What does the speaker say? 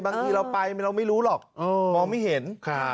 บางทีเราไปเราไม่รู้หรอกมองไม่เห็น